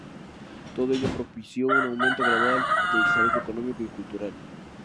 Todo ello propició un aumento gradual del desarrollo económico y cultural.